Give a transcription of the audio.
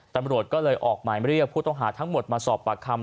ตำรวจก็เลยออกหมายเรียกผู้ต้องหาทั้งหมดมาสอบปากคำ